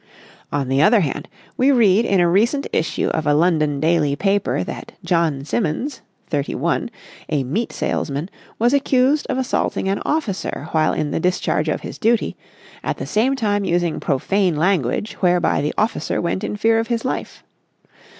On the other hand, we read in a recent issue of a London daily paper that John Simmons (31), a meat salesman, was accused of assaulting an officer while in the discharge of his duty, at the same time using profane language whereby the officer went in fear of his life.